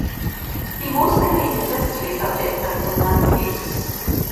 He mostly painted history subjects and some landscapes.